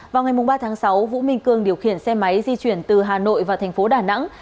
vào ngày ba tháng sáu vũ minh cương điều khiển xe máy di chuyển từ hà nội vào thành phố đà nẵng